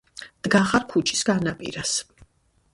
დგახარ ქუჩის განაპირას,